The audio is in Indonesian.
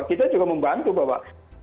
kita juga membantu bapak